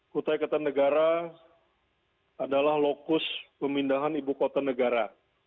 kutai ketanegara adalah lokus pemindahan ibu kota negara